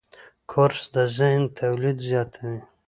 کورس د ذهن تولید زیاتوي.